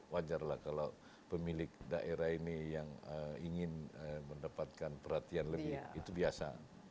wajarlah kalau pemilik daerah ini yang ingin mendapatkan perhatian lebih itu biasa